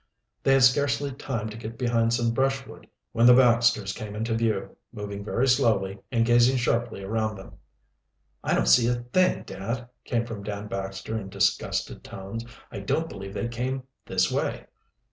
They had scarcely time to get behind some brushwood when the Baxters came into view, moving very slowly and gazing sharply around them. "I don't see a thing, dad," came from Dan Baxter in disgusted tones. "I don't believe they came this way."